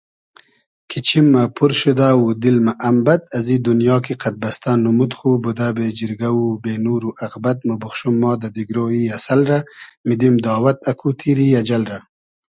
کی چیم مۂ پور شودۂ و دیل مۂ ام بئد ازی دونیا کی قئد بئستۂ نومود خو بودۂ بې جیرگۂ و بې نور و اغبئد موبوخشوم ما دۂ دیگرۉ ای اسئل رۂ میدیم داوئد اکو تیری اجئل رۂ